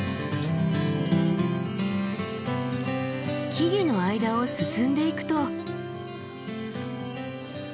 木々の間を進んでいくと。